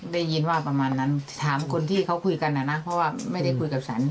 ได้ยินว่าประมาณนั้นถามคนที่เขาคุยกันอ่ะนะเพราะว่าไม่ได้คุยกับฉัน